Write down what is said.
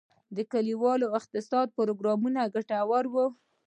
د کلیوالي اقتصاد پروګرامونه ګټور وو؟